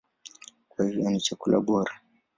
Kwa hiyo ni chakula bora.